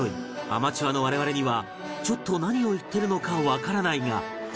アマチュアの我々にはちょっと何を言ってるのかわからないが